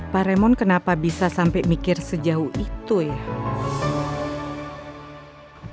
pak remon kenapa bisa sampai mikir sejauh itu ya